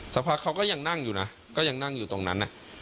สักพักเขาก็ยังนั่งอยู่นะก็ยังนั่งอยู่ตรงนั้น